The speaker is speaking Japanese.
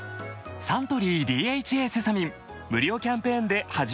サントリー「ＤＨＡセサミン」無料キャンペーンで始めませんか？